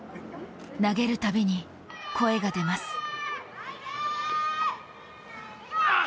投げるたびに声が出ます。